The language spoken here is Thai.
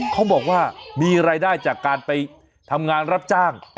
เขาบอกว่ามีรายได้จากการไปทำงานรับจ้าง